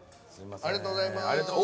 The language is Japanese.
ありがとうございます。